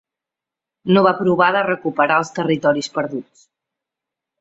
No va provar de recuperar els territoris perduts.